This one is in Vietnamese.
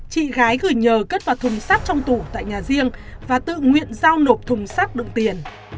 chị gái gửi nhờ cất vào thùng sát trong tủ tại nhà riêng và tự nguyện giao nộp thùng xác đựng tiền